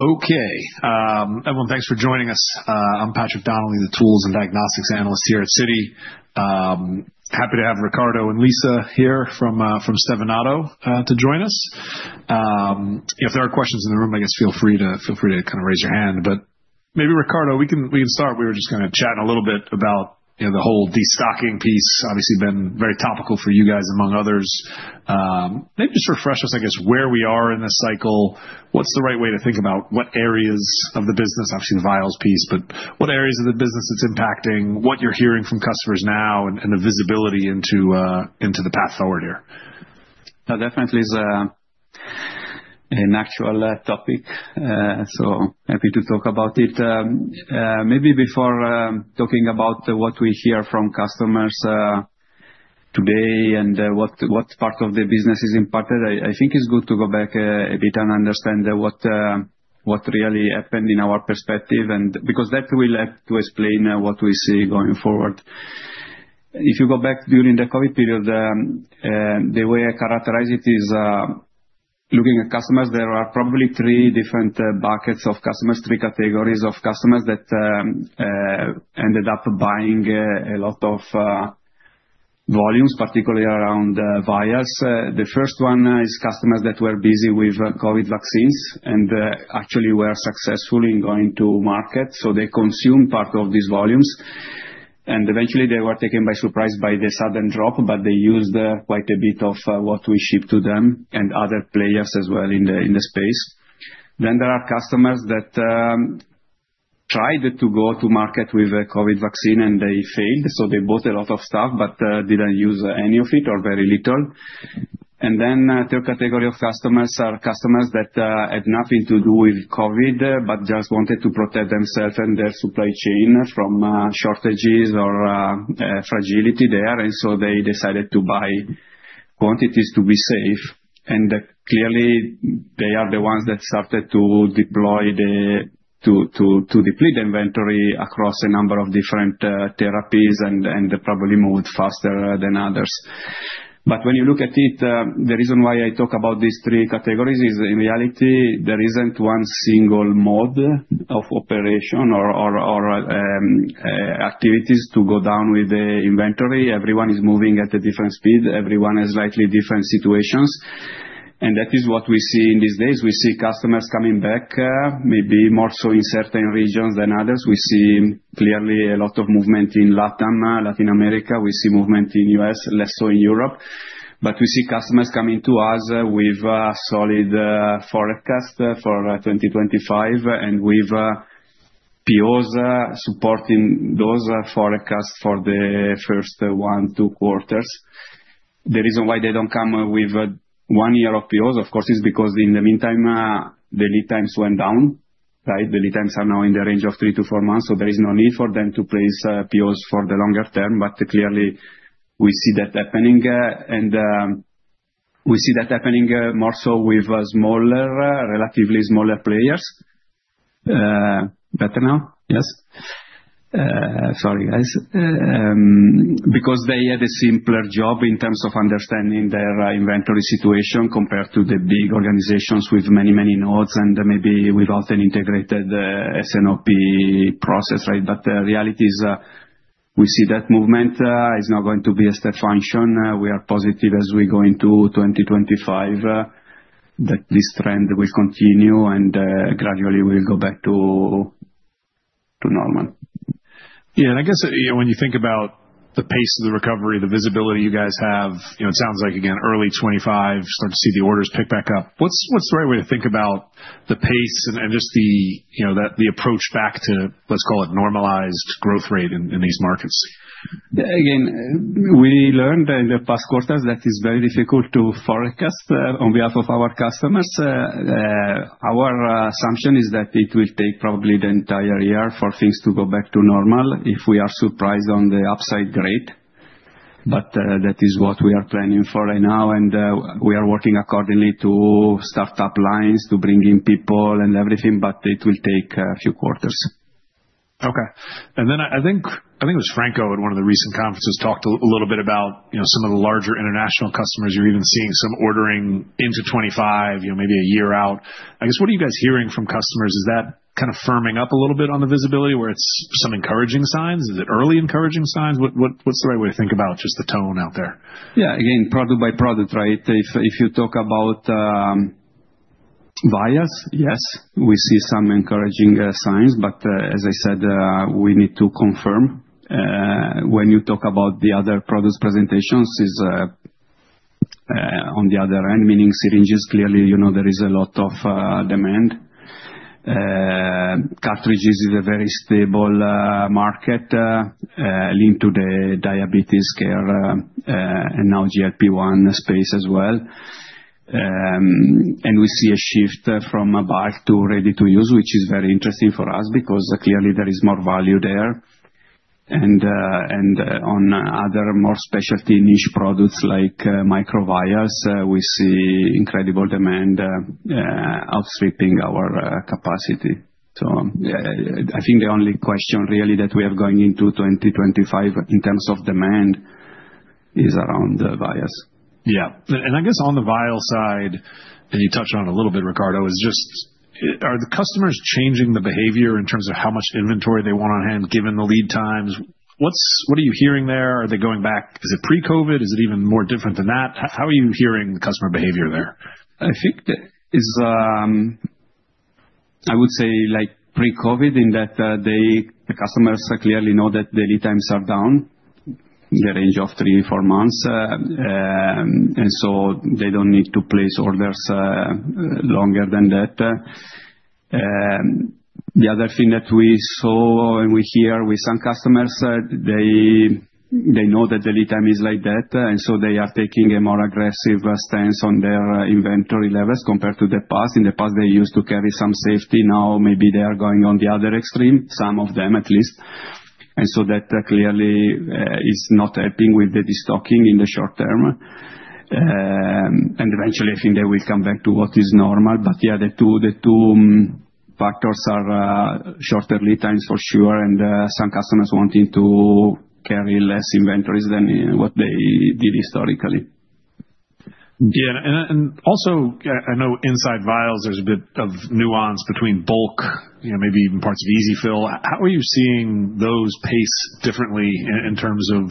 Okay, everyone, thanks for joining us. I'm Patrick Donnelly, the tools and diagnostics analyst here at Citi. Happy to have Riccardo and Lisa here from Stevanato to join us. If there are questions in the room, I guess feel free to kind of raise your hand. But maybe, Riccardo, we can start. We were just kind of chatting a little bit about the whole de-stocking piece. Obviously, been very topical for you guys, among others. Maybe just refresh us, I guess, where we are in this cycle. What's the right way to think about what areas of the business? Obviously, the vials piece, but what areas of the business it's impacting, what you're hearing from customers now, and the visibility into the path forward here? Definitely is an actual topic. So happy to talk about it. Maybe before talking about what we hear from customers today and what part of the business is impacted, I think it's good to go back a bit and understand what really happened in our perspective, because that will help to explain what we see going forward. If you go back during the COVID period, the way I characterize it is looking at customers. There are probably three different buckets of customers, three categories of customers that ended up buying a lot of volumes, particularly around vials. The first one is customers that were busy with COVID vaccines and actually were successful in going to market. So they consumed part of these volumes. Eventually, they were taken by surprise by the sudden drop, but they used quite a bit of what we shipped to them and other players as well in the space. There are customers that tried to go to market with a COVID vaccine and they failed. They bought a lot of stuff but didn't use any of it or very little. A third category of customers are customers that had nothing to do with COVID but just wanted to protect themselves and their supply chain from shortages or fragility there. They decided to buy quantities to be safe. Clearly, they are the ones that started to deplete the inventory across a number of different therapies and probably moved faster than others. But when you look at it, the reason why I talk about these three categories is in reality, there isn't one single mode of operation or activities to go down with the inventory. Everyone is moving at a different speed. Everyone has slightly different situations, and that is what we see in these days. We see customers coming back, maybe more so in certain regions than others. We see clearly a lot of movement in Latin America. We see movement in the U.S., less so in Europe, but we see customers coming to us with solid forecasts for 2025 and with POs supporting those forecasts for the first one to two quarters. The reason why they don't come with one year of POs, of course, is because in the meantime, the lead times went down. The lead times are now in the range of three to four months, so there is no need for them to place POs for the longer term. But clearly, we see that happening and we see that happening more so with smaller, relatively smaller players. Better now? Yes? Sorry, guys. Because they had a simpler job in terms of understanding their inventory situation compared to the big organizations with many, many nodes and maybe without an integrated S&OP process, but the reality is we see that movement is not going to be a step function. We are positive as we go into 2025 that this trend will continue and gradually we'll go back to normal. Yeah, and I guess when you think about the pace of the recovery, the visibility you guys have, it sounds like, again, early 2025, start to see the orders pick back up. What's the right way to think about the pace and just the approach back to, let's call it, normalized growth rate in these markets? Again, we learned in the past quarters that it's very difficult to forecast on behalf of our customers. Our assumption is that it will take probably the entire year for things to go back to normal if we are surprised on the upside, great. But that is what we are planning for right now. And we are working accordingly to start up lines to bring in people and everything, but it will take a few quarters. Okay. And then I think it was Franco at one of the recent conferences talked a little bit about some of the larger international customers. You're even seeing some ordering into 2025, maybe a year out. I guess what are you guys hearing from customers? Is that kind of firming up a little bit on the visibility, where it's some encouraging signs? Is it early encouraging signs? What's the right way to think about just the tone out there? Yeah, again, product by product, right? If you talk about vials, yes, we see some encouraging signs. But as I said, we need to confirm. When you talk about the other product presentations, it's on the other end, meaning syringes, clearly, there is a lot of demand. Cartridges is a very stable market linked to the diabetes care and now GLP-1 space as well. And we see a shift from a bulk to ready-to-use, which is very interesting for us because clearly there is more value there. And on other more specialty niche products like microvials, we see incredible demand outstripping our capacity. So I think the only question really that we have going into 2025 in terms of demand is around the vials. Yeah. And I guess on the vial side, and you touched on it a little bit, Riccardo, is just, are the customers changing the behavior in terms of how much inventory they want on hand given the lead times? What are you hearing there? Are they going back? Is it pre-COVID? Is it even more different than that? How are you hearing customer behavior there? I think that is, I would say, like pre-COVID in that the customers clearly know that the lead times are down, the range of three to four months. And so they don't need to place orders longer than that. The other thing that we saw and we hear with some customers, they know that the lead time is like that. And so they are taking a more aggressive stance on their inventory levels compared to the past. In the past, they used to carry some safety. Now maybe they are going on the other extreme, some of them at least. And so that clearly is not helping with the destocking in the short term. And eventually, I think they will come back to what is normal. But yeah, the two factors are shorter lead times for sure, and some customers wanting to carry less inventories than what they did historically. Yeah. And also, I know inside vials, there's a bit of nuance between bulk, maybe even parts of EZ-fill. How are you seeing those pace differently in terms of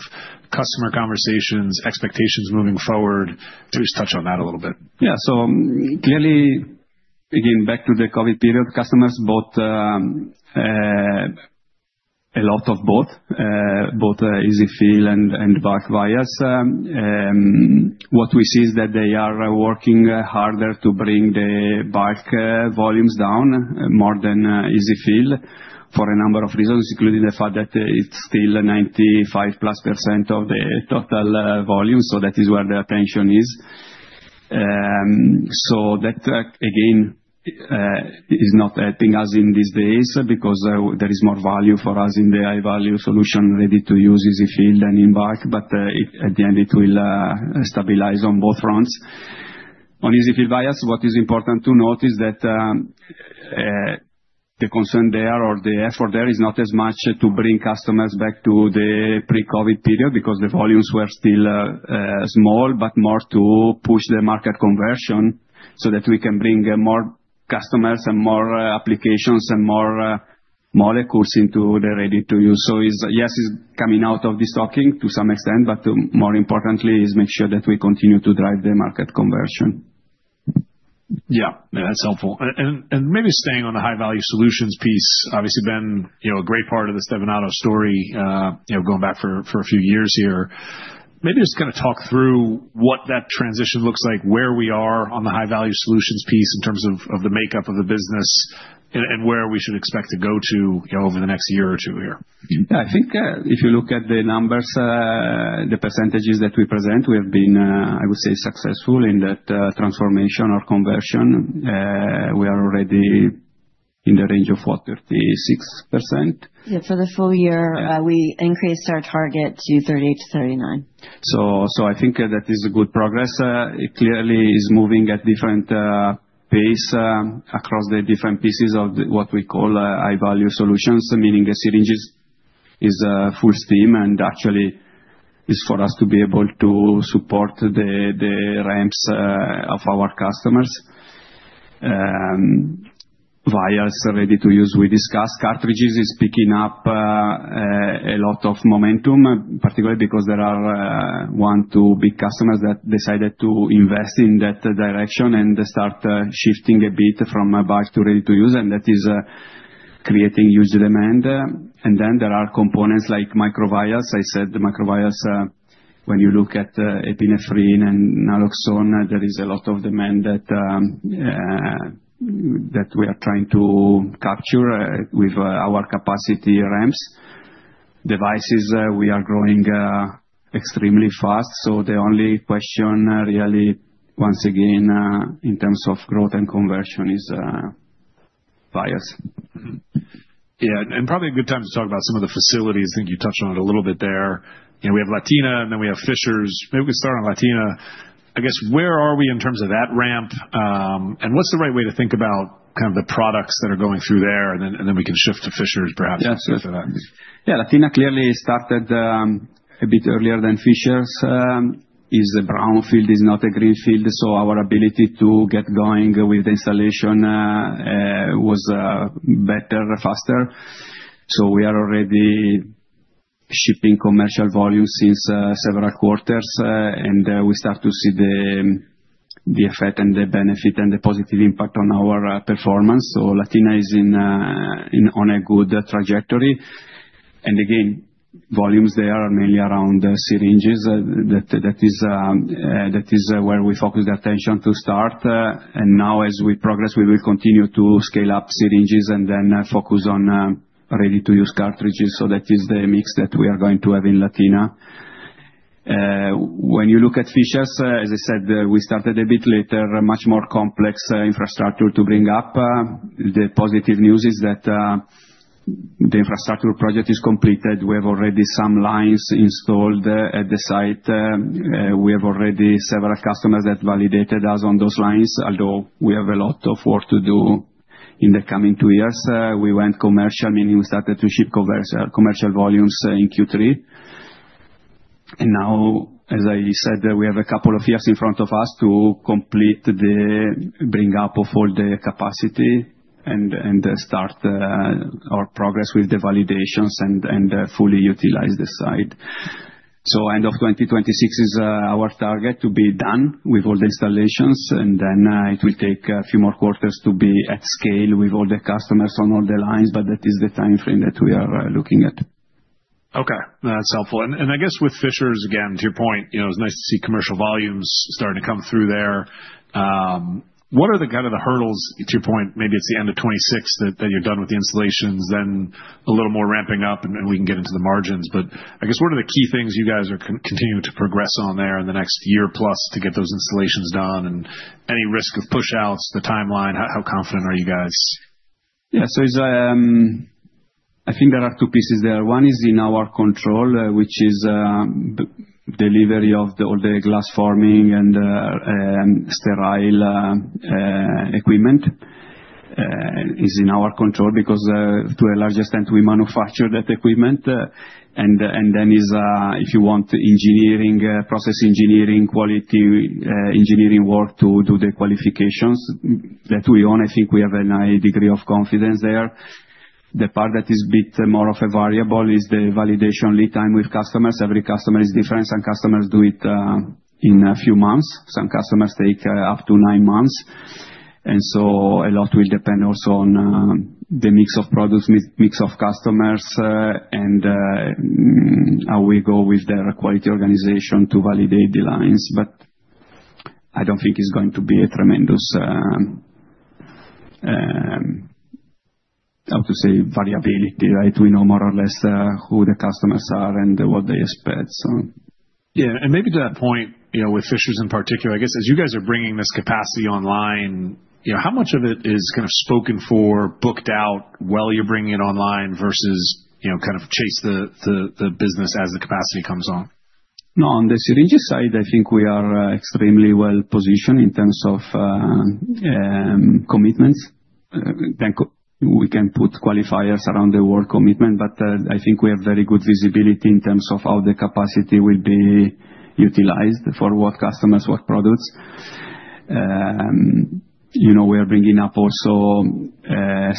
customer conversations, expectations moving forward? Just touch on that a little bit. Yeah. So clearly, again, back to the COVID period, customers bought a lot of both, both EZ-fill and bulk vials. What we see is that they are working harder to bring the bulk volumes down more than EZ-fill for a number of reasons, including the fact that it's still 95+% of the total volume. So that, again, is not helping us in these days because there is more value for us in the high-value solution ready to use EZ-fill than in bulk. But at the end, it will stabilize on both fronts. On EZ-fill vials, what is important to note is that the concern there or the effort there is not as much to bring customers back to the pre-COVID period because the volumes were still small, but more to push the market conversion so that we can bring more customers and more applications and more molecules into the ready-to-use. So yes, it's coming out of the destocking to some extent, but more importantly, is make sure that we continue to drive the market conversion. Yeah, that's helpful, and maybe staying on the high-value solutions piece, obviously, been a great part of the Stevanato story going back for a few years here. Maybe just kind of talk through what that transition looks like, where we are on the high-value solutions piece in terms of the makeup of the business and where we should expect to go to over the next year or two here? I think if you look at the numbers, the percentages that we present, we have been, I would say, successful in that transformation or conversion. We are already in the range of what, 36%? Yeah, for the full year, we increased our target to 38-39. I think that is a good progress. It clearly is moving at different pace across the different pieces of what we call high-value solutions, meaning the syringes is full steam and actually is for us to be able to support the ramps of our customers. Vials ready-to-use, we discussed. Cartridges is picking up a lot of momentum, particularly because there are one or two big customers that decided to invest in that direction and start shifting a bit from bulk to ready-to-use. That is creating huge demand. Then there are components like microvials. I said microvials, when you look at epinephrine and naloxone, there is a lot of demand that we are trying to capture with our capacity ramps. Devices, we are growing extremely fast. The only question really, once again, in terms of growth and conversion is vials. Yeah. And probably a good time to talk about some of the facilities. I think you touched on it a little bit there. We have Latina, and then we have Fishers. Maybe we can start on Latina. I guess where are we in terms of that ramp? And what's the right way to think about kind of the products that are going through there? And then we can shift to Fishers, perhaps. Yeah, certainly. Yeah, Latina clearly started a bit earlier than Fishers. The brownfield is not a greenfield. So our ability to get going with the installation was better, faster. So we are already shipping commercial volumes since several quarters. And we start to see the effect and the benefit and the positive impact on our performance. So Latina is on a good trajectory. And again, volumes there are mainly around syringes. That is where we focus the attention to start. And now, as we progress, we will continue to scale up syringes and then focus on ready-to-use cartridges. So that is the mix that we are going to have in Latina. When you look at Fishers, as I said, we started a bit later, much more complex infrastructure to bring up. The positive news is that the infrastructure project is completed. We have already some lines installed at the site. We have already several customers that validated us on those lines, although we have a lot of work to do in the coming two years. We went commercial, meaning we started to ship commercial volumes in Q3, and now, as I said, we have a couple of years in front of us to complete the bring-up of all the capacity and start our progress with the validations and fully utilize the site, so end of 2026 is our target to be done with all the installations, and then it will take a few more quarters to be at scale with all the customers on all the lines, but that is the time frame that we are looking at. Okay. That's helpful. And I guess with Fishers, again, to your point, it was nice to see commercial volumes starting to come through there. What are the kind of hurdles, to your point, maybe it's the end of 2026 that you're done with the installations, then a little more ramping up and we can get into the margins. But I guess what are the key things you guys are continuing to progress on there in the next year plus to get those installations done? And any risk of push-outs to the timeline, how confident are you guys? Yeah, so I think there are two pieces there. One is in our control, which is delivery of all the glass forming and sterile equipment. It's in our control because to a large extent, we manufacture that equipment. And then if you want engineering, process engineering, quality engineering work to do the qualifications that we own, I think we have a high degree of confidence there. The part that is a bit more of a variable is the validation lead time with customers. Every customer is different. Some customers do it in a few months. Some customers take up to nine months. And so a lot will depend also on the mix of products, mix of customers, and how we go with their quality organization to validate the lines. But I don't think it's going to be a tremendous, how to say, variability, right? We know more or less who the customers are and what they expect, so. Yeah. And maybe to that point with Fishers in particular, I guess as you guys are bringing this capacity online, how much of it is kind of spoken for, booked out while you're bringing it online versus kind of chase the business as the capacity comes on? No, on the syringes side, I think we are extremely well positioned in terms of commitments. We can put qualifiers around the word commitment, but I think we have very good visibility in terms of how the capacity will be utilized for what customers, what products. We are bringing up also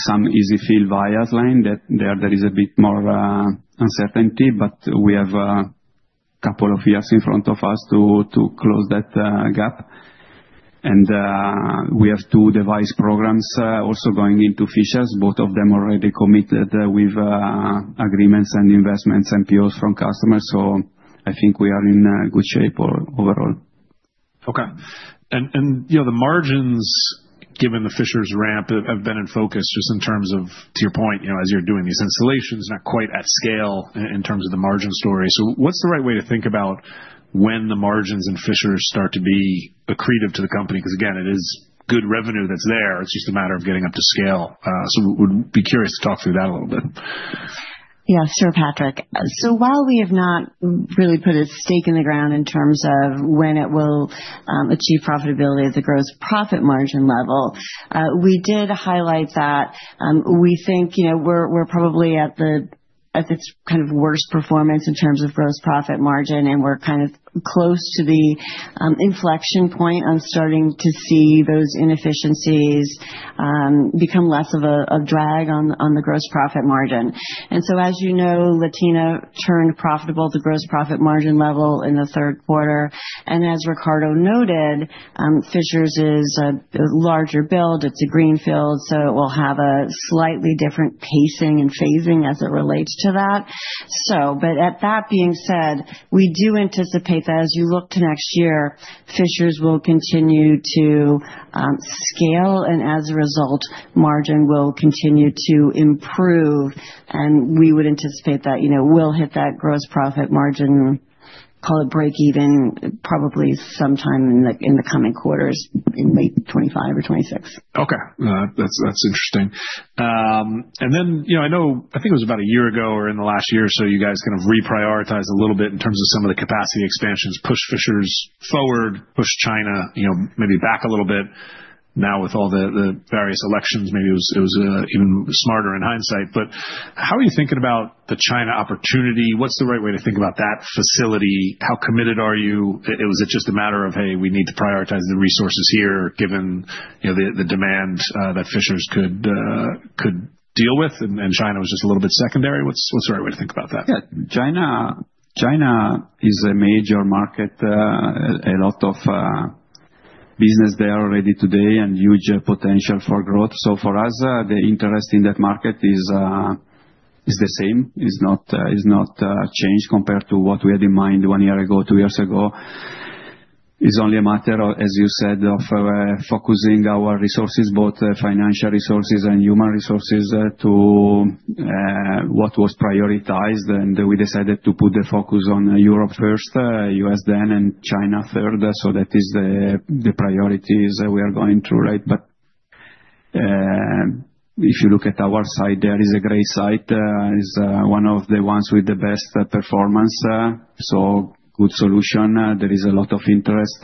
some EZ-fill vials line that there is a bit more uncertainty, but we have a couple of years in front of us to close that gap, and we have two device programs also going into Fishers, both of them already committed with agreements and investments and POs from customers, so I think we are in good shape overall. Okay. And the margins, given the Fishers ramp, have been in focus just in terms of, to your point, as you're doing these installations, not quite at scale in terms of the margin story. So what's the right way to think about when the margins in Fishers start to be accretive to the company? Because again, it is good revenue that's there. It's just a matter of getting up to scale. So we'd be curious to talk through that a little bit. Yeah, sure, Patrick. So while we have not really put a stake in the ground in terms of when it will achieve profitability at the gross profit margin level, we did highlight that we think we're probably at the kind of worst performance in terms of gross profit margin, and we're kind of close to the inflection point on starting to see those inefficiencies become less of a drag on the gross profit margin, and so as you know, Latina turned profitable at the gross profit margin level in the third quarter, and as Riccardo noted, Fishers is a larger build. It's a greenfield, so it will have a slightly different pacing and phasing as it relates to that. But that being said, we do anticipate that as you look to next year, Fishers will continue to scale, and as a result, margin will continue to improve. We would anticipate that we'll hit that gross profit margin, call it break-even, probably sometime in the coming quarters, in late 2025 or 2026. Okay. That's interesting, and then I think it was about a year ago or in the last year or so, you guys kind of reprioritized a little bit in terms of some of the capacity expansions, pushed Fishers forward, pushed China maybe back a little bit. Now, with all the various elections, maybe it was even smarter in hindsight, but how are you thinking about the China opportunity? What's the right way to think about that facility? How committed are you? Was it just a matter of, "Hey, we need to prioritize the resources here," given the demand that Fishers could deal with, and China was just a little bit secondary? What's the right way to think about that? Yeah. China is a major market, a lot of business there already today, and huge potential for growth. So for us, the interest in that market is the same. It's not changed compared to what we had in mind one year ago, two years ago. It's only a matter, as you said, of focusing our resources, both financial resources and human resources, to what was prioritized. And we decided to put the focus on Europe first, US then, and China third. So that is the priorities we are going through, right? But if you look at our site, there is a great site. It's one of the ones with the best performance. So good solution. There is a lot of interest.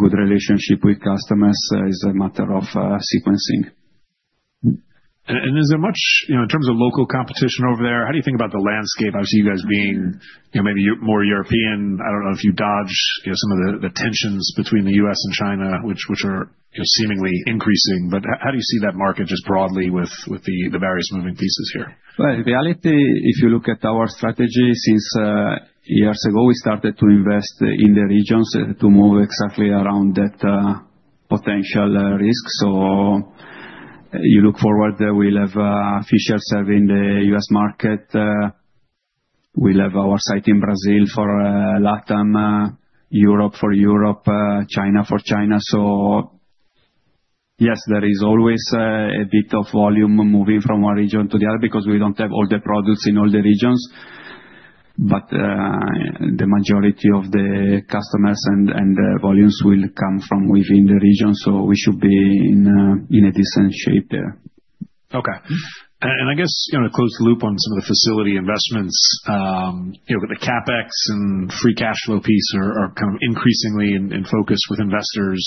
Good relationship with customers is a matter of sequencing. Is there much, in terms of local competition over there, how do you think about the landscape? Obviously, you guys being maybe more European. I don't know if you dodged some of the tensions between the U.S. and China, which are seemingly increasing. How do you see that market just broadly with the various moving pieces here? In reality, if you look at our strategies years ago, we started to invest in the regions to move exactly around that potential risk. You look forward, we'll have Fishers serving the U.S. market. We'll have our site in Brazil for LATAM, Europe for Europe, China for China. Yes, there is always a bit of volume moving from one region to the other because we don't have all the products in all the regions. But the majority of the customers and the volumes will come from within the region. We should be in a decent shape there. Okay. And I guess to close the loop on some of the facility investments, the CapEx and free cash flow piece are kind of increasingly in focus with investors.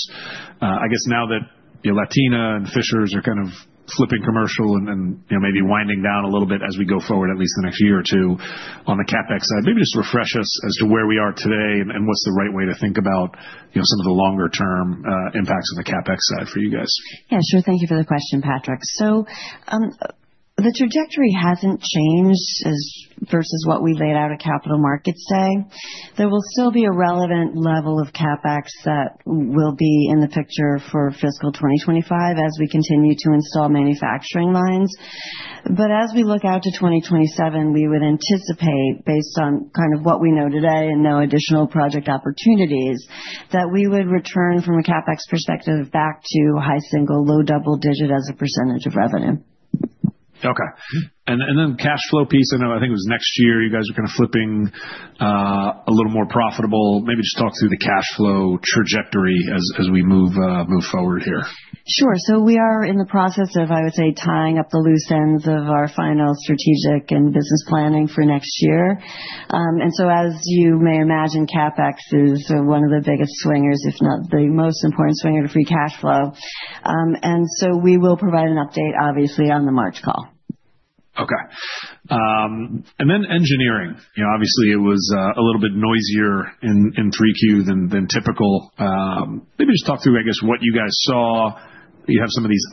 I guess now that Latina and Fishers are kind of flipping commercial and maybe winding down a little bit as we go forward, at least the next year or two on the CapEx side, maybe just refresh us as to where we are today and what's the right way to think about some of the longer-term impacts on the CapEx side for you guys? Yeah, sure. Thank you for the question, Patrick. So the trajectory hasn't changed versus what we laid out at Capital Markets Day. There will still be a relevant level of CapEx that will be in the picture for fiscal 2025 as we continue to install manufacturing lines. But as we look out to 2027, we would anticipate, based on kind of what we know today and no additional project opportunities, that we would return from a CapEx perspective back to high single, low double digit as a percentage of revenue. Okay, and then the cash flow piece. I know I think it was next year you guys are kind of flipping a little more profitable. Maybe just talk through the cash flow trajectory as we move forward here. Sure. So we are in the process of, I would say, tying up the loose ends of our final strategic and business planning for next year. And so as you may imagine, CapEx is one of the biggest swingers, if not the most important swinger to free cash flow. And so we will provide an update, obviously, on the March call. Okay. And then engineering. Obviously, it was a little bit noisier in 3Q than typical. Maybe just talk through, I guess, what you guys saw. You have some of these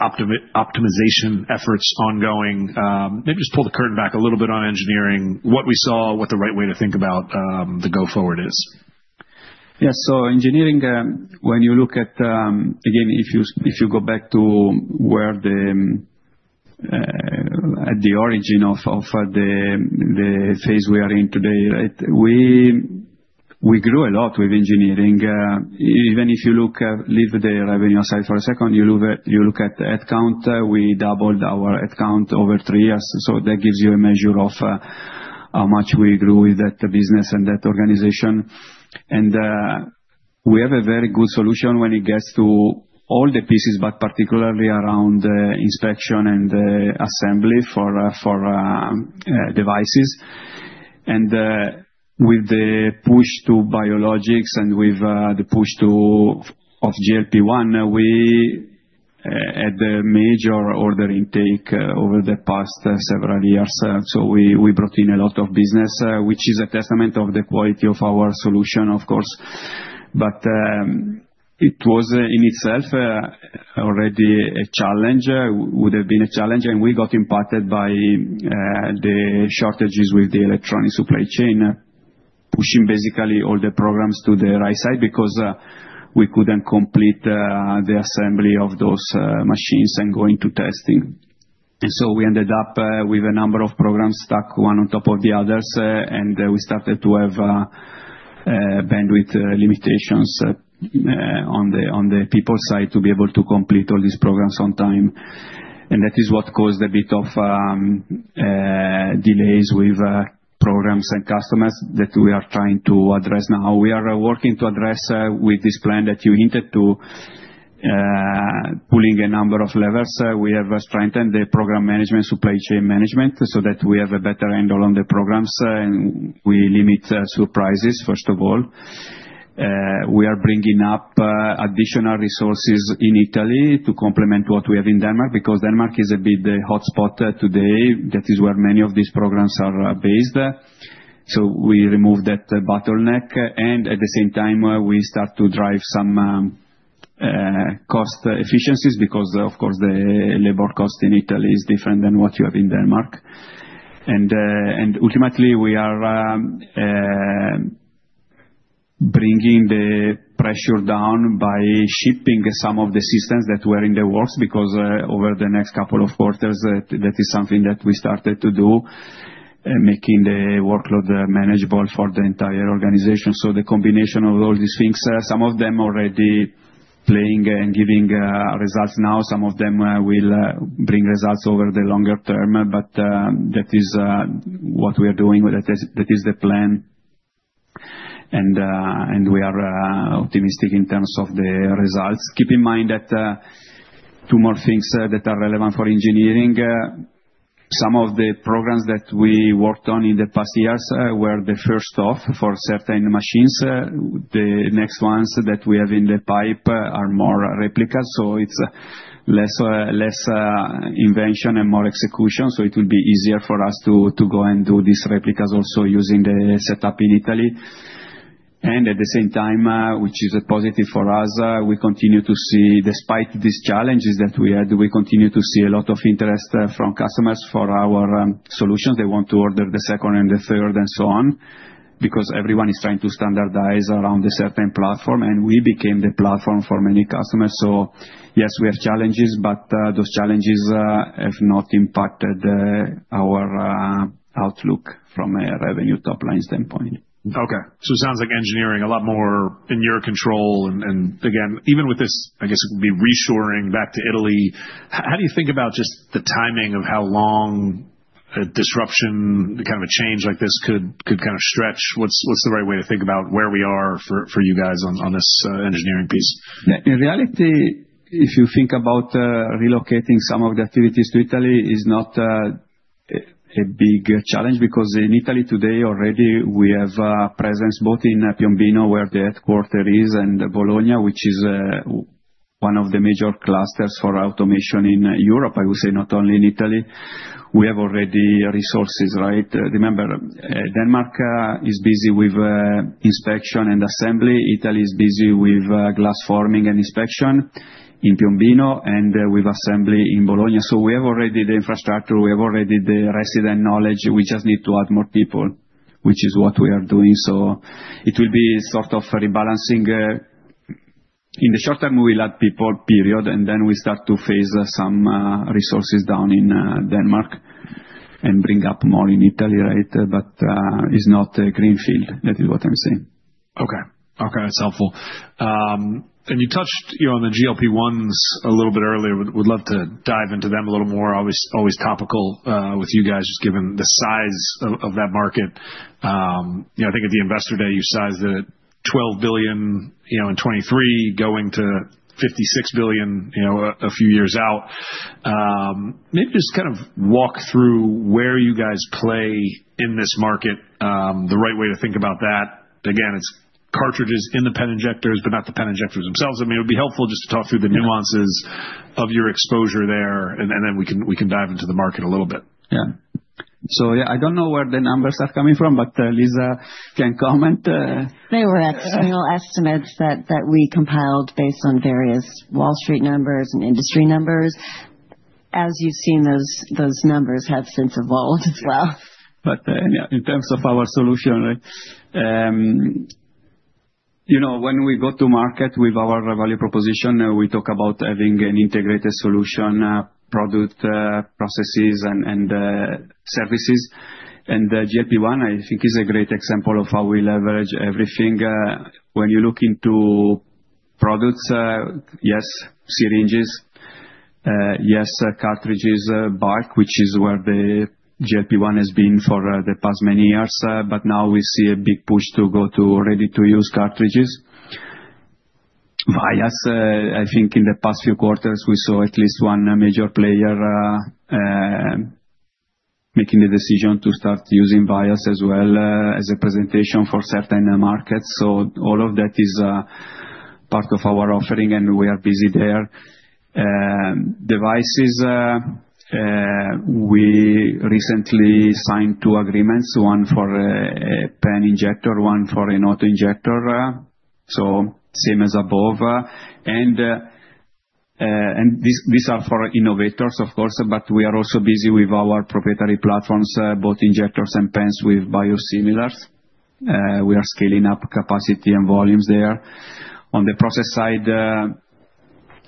optimization efforts ongoing. Maybe just pull the curtain back a little bit on engineering. What we saw, what the right way to think about the go-forward is. Yeah. So engineering, when you look at, again, if you go back to the origin of the phase we are in today, right, we grew a lot with engineering. Even if you look at, leave the revenue aside for a second, you look at headcount, we doubled our headcount over three years. So that gives you a measure of how much we grew with that business and that organization. And we have a very good solution when it gets to all the pieces, but particularly around inspection and assembly for devices. And with the push to biologics and with the push of GLP-1, we had a major order intake over the past several years. So we brought in a lot of business, which is a testament of the quality of our solution, of course. But it was in itself already a challenge, would have been a challenge. And we got impacted by the shortages with the electronic supply chain, pushing basically all the programs to the right side because we couldn't complete the assembly of those machines and go into testing. And so we ended up with a number of programs stuck one on top of the others. And we started to have bandwidth limitations on the people side to be able to complete all these programs on time. And that is what caused a bit of delays with programs and customers that we are trying to address now. We are working to address with this plan that you hinted to, pulling a number of levers. We have strengthened the program management, supply chain management, so that we have a better handle on the programs. And we limit surprises, first of all. We are bringing up additional resources in Italy to complement what we have in Denmark because Denmark is a bit the hotspot today. That is where many of these programs are based. So we remove that bottleneck. And at the same time, we start to drive some cost efficiencies because, of course, the labor cost in Italy is different than what you have in Denmark. And ultimately, we are bringing the pressure down by shipping some of the systems that were in the works because over the next couple of quarters, that is something that we started to do, making the workload manageable for the entire organization. So the combination of all these things, some of them already playing and giving results now, some of them will bring results over the longer term. But that is what we are doing with it. That is the plan. We are optimistic in terms of the results. Keep in mind that two more things that are relevant for engineering. Some of the programs that we worked on in the past years were the first off for certain machines. The next ones that we have in the pipe are more replicas. It's less invention and more execution. It will be easier for us to go and do these replicas also using the setup in Italy. At the same time, which is a positive for us, we continue to see, despite these challenges that we had, we continue to see a lot of interest from customers for our solutions. They want to order the second and the third and so on because everyone is trying to standardize around a certain platform. We became the platform for many customers. Yes, we have challenges, but those challenges have not impacted our outlook from a revenue top-line standpoint. Okay. So it sounds like engineering a lot more in your control. And again, even with this, I guess it would be reshoring back to Italy. How do you think about just the timing of how long a disruption, kind of a change like this could kind of stretch? What's the right way to think about where we are for you guys on this engineering piece? In reality, if you think about relocating some of the activities to Italy, it's not a big challenge because in Italy today already, we have a presence both in Piombino, where the headquarters is, and Bologna, which is one of the major clusters for automation in Europe, I would say, not only in Italy. We have already resources, right? Remember, Denmark is busy with inspection and assembly. Italy is busy with glass forming and inspection in Piombino and with assembly in Bologna. So we have already the infrastructure. We have already the resident knowledge. We just need to add more people, which is what we are doing. So it will be sort of rebalancing. In the short term, we'll add people, period, and then we start to phase some resources down in Denmark and bring up more in Italy, right? But it's not a greenfield. That is what I'm saying. Okay. Okay. That's helpful. And you touched on the GLP-1s a little bit earlier. Would love to dive into them a little more. Always topical with you guys, just given the size of that market. I think at the investor day, you sized it at $12 billion in 2023, going to $56 billion a few years out. Maybe just kind of walk through where you guys play in this market, the right way to think about that. Again, it's cartridges in the pen injectors, but not the pen injectors themselves. I mean, it would be helpful just to talk through the nuances of your exposure there, and then we can dive into the market a little bit. Yeah. So yeah, I don't know where the numbers are coming from, but Lisa can comment. They were external estimates that we compiled based on various Wall Street numbers and industry numbers. As you've seen, those numbers have since evolved as well. But in terms of our solution, when we go to market with our value proposition, we talk about having an integrated solution, products, processes, and services. And GLP-1, I think, is a great example of how we leverage everything. When you look into products, yes, syringes, yes, cartridges, barrels, which is where the GLP-1 has been for the past many years. But now we see a big push to go to ready-to-use cartridges. Vials, I think in the past few quarters, we saw at least one major player making the decision to start using vials as well as a presentation for certain markets. So all of that is part of our offering, and we are busy there. Devices, we recently signed two agreements, one for a pen injector, one for an auto injector. So same as above. And these are for innovators, of course, but we are also busy with our proprietary platforms, both injectors and pens with biosimilars. We are scaling up capacity and volumes there. On the process side,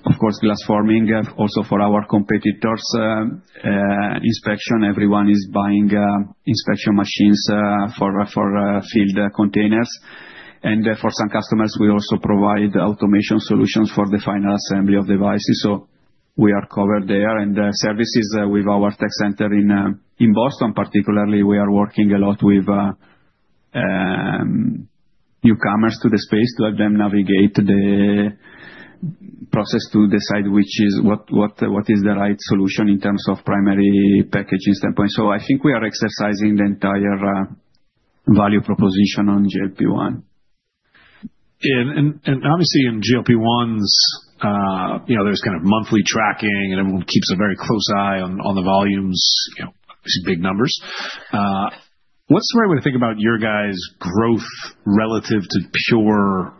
of course, glass forming, also for our competitors, inspection. Everyone is buying inspection machines for filled containers. And for some customers, we also provide automation solutions for the final assembly of devices. So we are covered there. And services with our tech center in Boston, particularly, we are working a lot with newcomers to the space to help them navigate the process to decide what is the right solution in terms of primary packaging standpoint. So I think we are exercising the entire value proposition on GLP-1. Yeah. And obviously, in GLP-1s, there's kind of monthly tracking, and everyone keeps a very close eye on the volumes, obviously big numbers. What's the right way to think about your guys' growth relative to pure,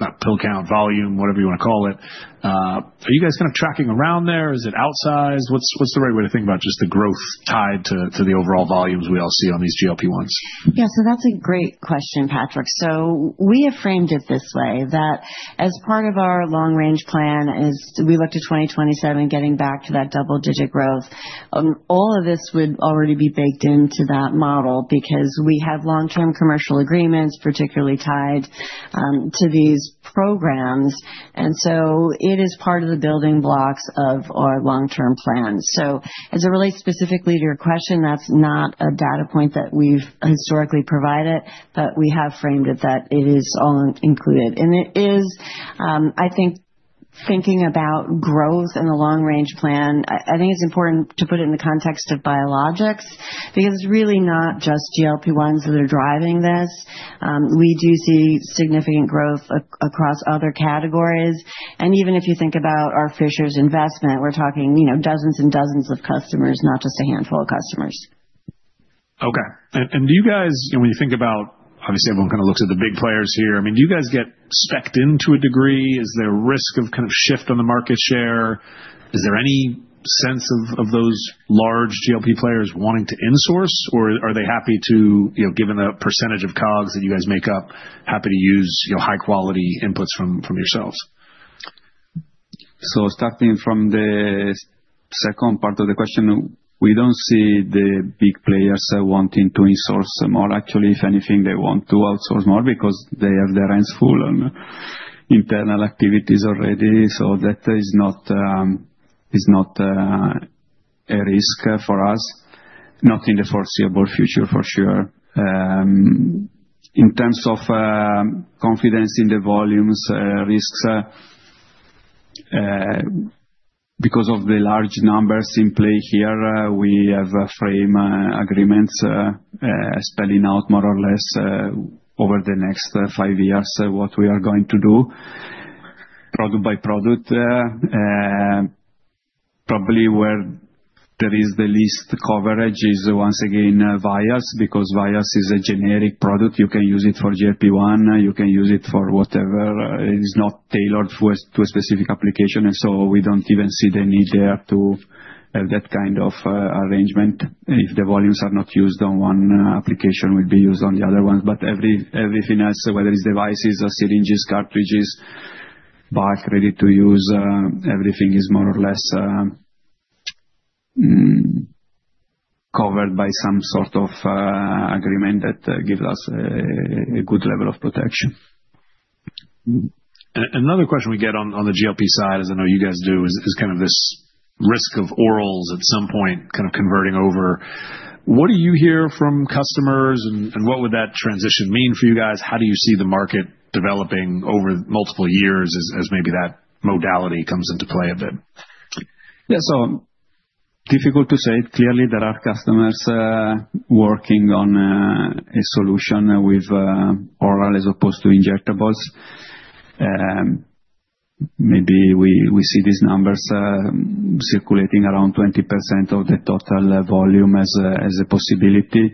not pill count, volume, whatever you want to call it? Are you guys kind of tracking around there? Is it outsized? What's the right way to think about just the growth tied to the overall volumes we all see on these GLP-1s? Yeah. That's a great question, Patrick. We have framed it this way that as part of our long-range plan, we look to 2027, getting back to that double-digit growth. All of this would already be baked into that model because we have long-term commercial agreements, particularly tied to these programs. It is part of the building blocks of our long-term plan. As it relates specifically to your question, that's not a data point that we've historically provided, but we have framed it that it is all included. It is, I think, thinking about growth in the long-range plan. I think it's important to put it in the context of biologics because it's really not just GLP-1s that are driving this. We do see significant growth across other categories. Even if you think about our Fishers investment, we're talking dozens and dozens of customers, not just a handful of customers. Okay. And do you guys, when you think about, obviously, everyone kind of looks at the big players here, I mean, do you guys get specced into a degree? Is there a risk of kind of shift on the market share? Is there any sense of those large GLP players wanting to insource, or are they happy to, given the percentage of COGS that you guys make up, happy to use high-quality inputs from yourselves? So starting from the second part of the question, we don't see the big players wanting to insource more. Actually, if anything, they want to outsource more because they have their hands full on internal activities already. So that is not a risk for us, not in the foreseeable future, for sure. In terms of confidence in the volumes, risks, because of the large numbers in play here, we have framework agreements spelling out more or less over the next five years what we are going to do, product by product. Probably where there is the least coverage is, once again, vials because vials is a generic product. You can use it for GLP-1. You can use it for whatever. It is not tailored to a specific application. And so we don't even see the need there to have that kind of arrangement. If the volumes are not used on one application, it would be used on the other ones. But everything else, whether it's devices, syringes, cartridges, bulk, ready-to-use, everything is more or less covered by some sort of agreement that gives us a good level of protection. Another question we get on the GLP side, as I know you guys do, is kind of this risk of orals at some point kind of converting over. What do you hear from customers, and what would that transition mean for you guys? How do you see the market developing over multiple years as maybe that modality comes into play a bit? Yeah. It's difficult to say clearly that our customers are working on a solution with oral as opposed to injectables. Maybe we see these numbers circulating around 20% of the total volume as a possibility,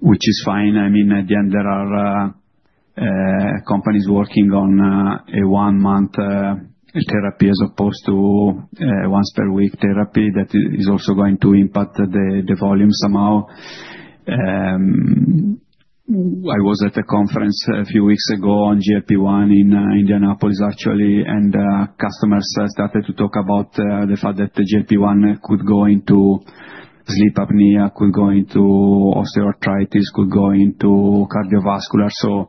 which is fine. I mean, at the end, there are companies working on a one-month therapy as opposed to a once-per-week therapy that is also going to impact the volume somehow. I was at a conference a few weeks ago on GLP-1 in Indianapolis, actually, and customers started to talk about the fact that the GLP-1 could go into sleep apnea, could go into osteoarthritis, could go into cardiovascular. So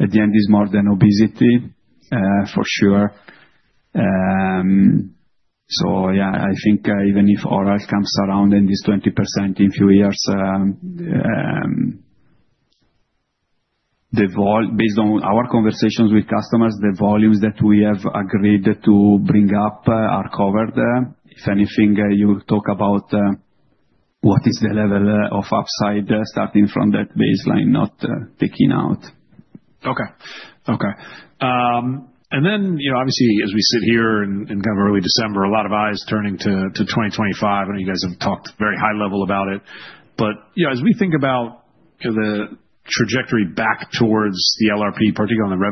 at the end, it's more than obesity, for sure. So yeah, I think even if oral comes around in this 20% in a few years, based on our conversations with customers, the volumes that we have agreed to bring up are covered. If anything, you talk about what is the level of upside starting from that baseline, not taking out. Okay. Okay. And then, obviously, as we sit here in kind of early December, a lot of eyes turning to 2025. I know you guys have talked very high level about it. But as we think about the trajectory back towards the LRP, particularly on the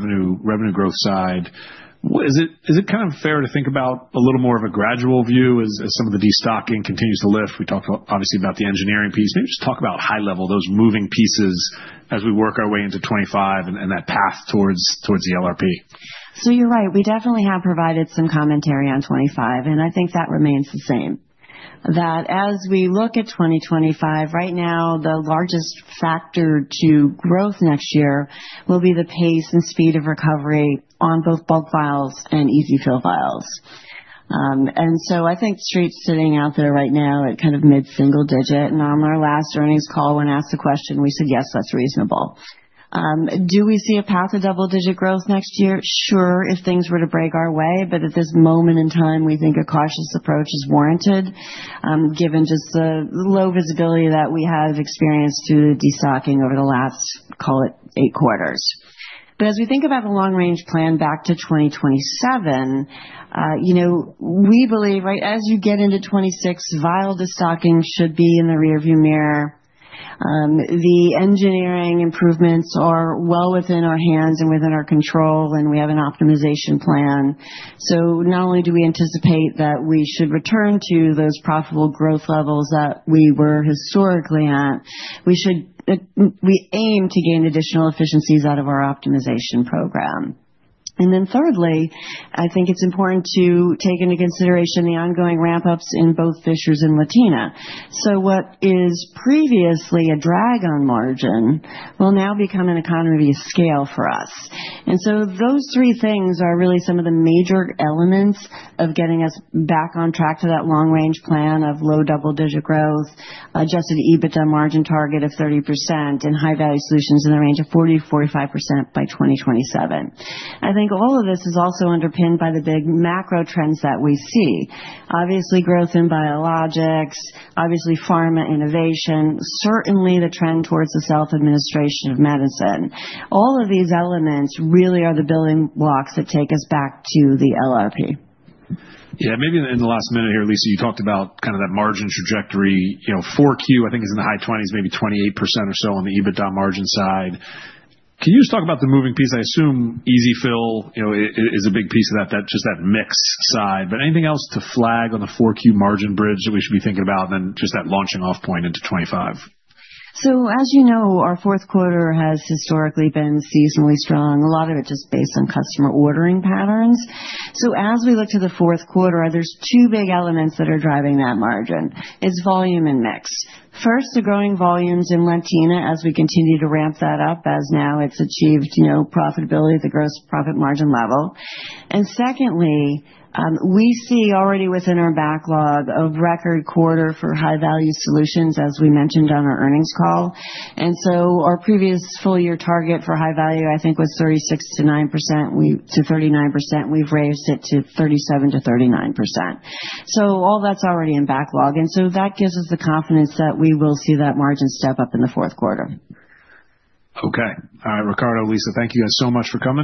revenue growth side, is it kind of fair to think about a little more of a gradual view as some of the destocking continues to lift? We talked obviously about the engineering piece. Maybe just talk about high-level, those moving pieces as we work our way into 2025 and that path towards the LRP. You're right. We definitely have provided some commentary on 2025, and I think that remains the same. That as we look at 2025, right now, the largest factor to growth next year will be the pace and speed of recovery on both bulk vials and EZ-fill vials. I think streets sitting out there right now at kind of mid-single-digit. On our last earnings call, when asked the question, we said, "Yes, that's reasonable." Do we see a path of double-digit growth next year? Sure, if things were to break our way, but at this moment in time, we think a cautious approach is warranted given just the low visibility that we have experienced through the destocking over the last, call it, eight quarters. But as we think about the long-range plan back to 2027, we believe, right, as you get into 2026, vial destocking should be in the rearview mirror. The engineering improvements are well within our hands and within our control, and we have an optimization plan. So not only do we anticipate that we should return to those profitable growth levels that we were historically at, we aim to gain additional efficiencies out of our optimization program. And then thirdly, I think it's important to take into consideration the ongoing ramp-ups in both Fishers and Latina. So what is previously a drag on margin will now become an economy of scale for us. And so those three things are really some of the major elements of getting us back on track to that long-range plan of low double-digit growth, adjusted EBITDA margin target of 30%, and high-value solutions in the range of 40%-45% by 2027. I think all of this is also underpinned by the big macro trends that we see. Obviously, growth in biologics, obviously, pharma innovation, certainly the trend towards the self-administration of medicine. All of these elements really are the building blocks that take us back to the LRP. Yeah. Maybe in the last minute here, Lisa, you talked about kind of that margin trajectory. 4Q, I think, is in the high 20s, maybe 28% or so on the EBITDA margin side. Can you just talk about the moving piece? I assume EZ-fill is a big piece of that, just that mix side. But anything else to flag on the 4Q margin bridge that we should be thinking about and then just that launching-off point into 2025? So as you know, our fourth quarter has historically been seasonally strong, a lot of it just based on customer ordering patterns. So as we look to the fourth quarter, there are two big elements that are driving that margin. It is volume and mix. First, the growing volumes in Latina as we continue to ramp that up as now it has achieved profitability, the gross profit margin level. And secondly, we see already within our backlog a record quarter for High-Value Solutions, as we mentioned on our earnings call. And so our previous full-year target for high-value, I think, was 36% to 39%. We have raised it to 37% to 39%. So all that is already in backlog. And so that gives us the confidence that we will see that margin step up in the fourth quarter. Okay. All right, Riccardo, Lisa, thank you guys so much for coming.